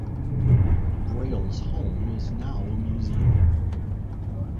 Braille's home is now a museum.